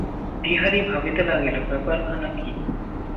বিহারী ভাবিতে লাগিল, ব্যাপারখানা কী।